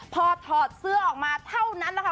พอถอดเสื้อออกมาเท่านั้นแหละค่ะ